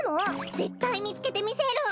ぜったいみつけてみせる！